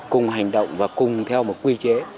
cùng hành động và cùng theo một quy chế